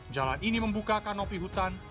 jalan ini membuka kanopi hutan